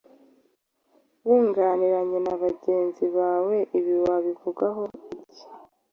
Wunganiranye na bagenzi bawe ibi wabivugaho iki?